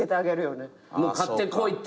もう買ってこいって。